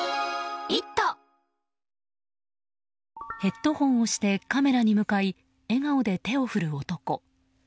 ヘッドフォンをしてカメラに向かい笑顔で手を振る男。